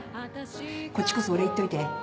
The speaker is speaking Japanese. こっちこそお礼言っといて。